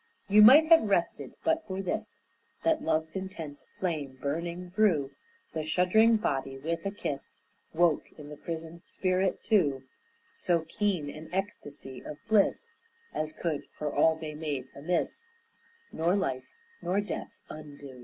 You might have rested but for this: That love's intense flame burning through The shuddering body with a kiss Woke in the prisoned spirit, too, So keen an ecstasy of bliss As could, for all they made amiss, Nor life nor death undo.